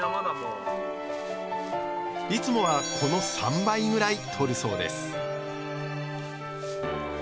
いつもはこの３倍ぐらい採るそうです